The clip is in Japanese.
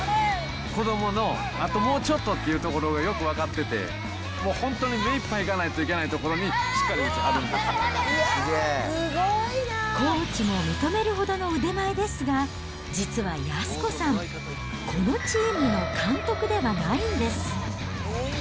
子どもの、あともうちょっとっていうところがよく分かってて、もう本当に目いっぱいいかないといかない所に、しっかり打ちはるコーチも認めるほどの腕前ですが、実は安子さん、このチームの監督ではないんです。